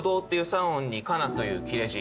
３音に「かな」という切れ字